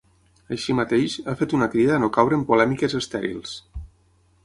Així mateix, ha fet una crida a no caure en polèmiques estèrils.